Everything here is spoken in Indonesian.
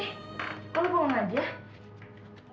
kalau kamu tahu